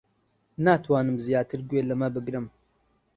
ناتوانم زیاتر گوێ لەمە بگرم.